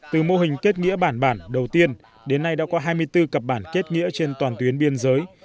từ mô hình kết nghĩa bản bản đầu tiên đến nay đã có hai mươi bốn cặp bản kết nghĩa trên toàn tuyến biên giới